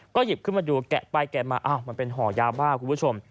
ก็หยิบขึ้นมาดูแกะไปแกะมาอ้าวมันเป็นห่อยาบ้าคุณผู้ชม